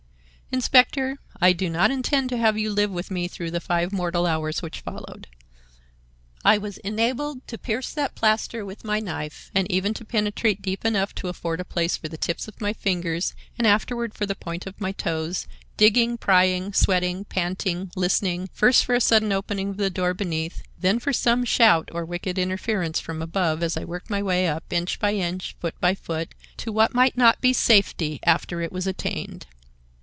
"Inspector, I do not intend to have you live with me through the five mortal hours which followed. I was enabled to pierce that plaster with my knife, and even to penetrate deep enough to afford a place for the tips of my fingers and afterward for the point of my toes, digging, prying, sweating, panting, listening, first for a sudden opening of the doors beneath, then for some shout or wicked interference from above as I worked my way up inch by inch, foot by foot, to what might not be safety after it was attained.